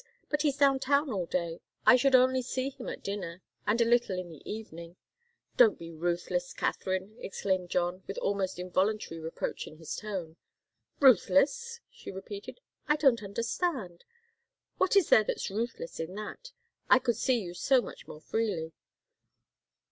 But he's down town all day I should only see him at dinner, and a little in the evening." "Don't be ruthless, Katharine!" exclaimed John, with almost involuntary reproach in his tone. "Ruthless?" she repeated. "I don't understand. What is there that's ruthless in that? I could see you so much more freely."